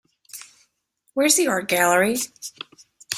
Where's the art gallery?